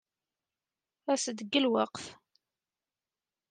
As-d deg lweqt.